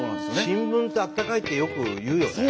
新聞ってあったかいってよく言うよね。